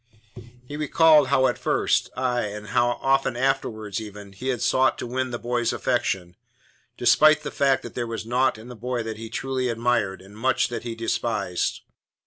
He recalled how at first aye, and often afterwards even he had sought to win the boy's affection, despite the fact that there was naught in the boy that he truly admired, and much that he despised.